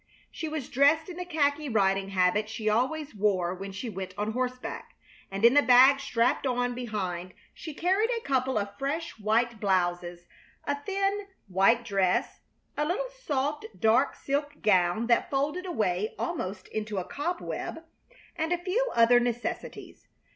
She was dressed in the khaki riding habit she always wore when she went on horseback; and in the bag strapped on behind she carried a couple of fresh white blouses, a thin, white dress, a little soft dark silk gown that folded away almost into a cobweb, and a few other necessities.